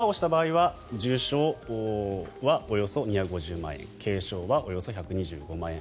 怪我をした場合は重傷はおよそ２５０万円軽傷はおよそ１２５万円。